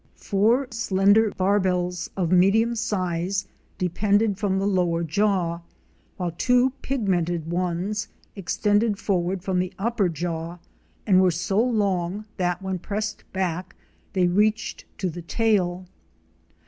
Four slender 164 OUR SEARCH FOR A WILDERNESS. barbels of medium size depended from the lower jaw, while two pigmented ones extended forward from the upper jaw and were so long that when pressed back they reached to the tail.